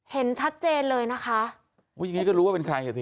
เห็นชัดเจนเลยนะคะอุ้ยอย่างงี้ก็รู้ว่าเป็นใครอ่ะสิ